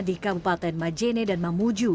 di kabupaten majene dan mamuju